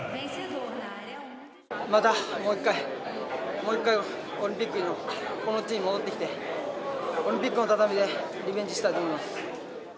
またもう一回、もう一回オリンピックのこの地に戻ってきて、オリンピックの畳でリベンジしたいと思います。